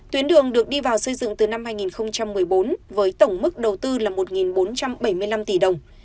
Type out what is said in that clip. tuyến đường được đi vào xây dựng từ năm hai nghìn một mươi bốn với tổng mức đầu tư là một bốn trăm bảy mươi năm tỷ đồng